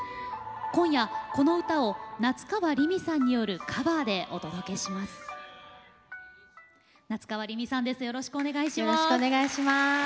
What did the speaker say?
今夜、この歌を夏川りみさんによるカバーでお届けします。